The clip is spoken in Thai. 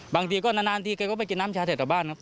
บางทีก็นานทีแกก็ไปกินน้ำชาใส่ต่อบ้านครับ